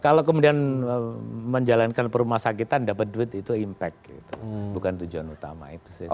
kalau kemudian menjalankan perumah sakitan dapat duit itu impact gitu bukan tujuan utama itu saya kira